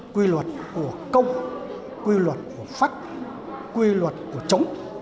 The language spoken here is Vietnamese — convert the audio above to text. quy luật của công quy luật của pháp quy luật của chống